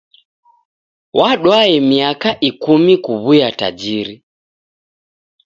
Wadwae miaka ikumi kuw'uya tajiri.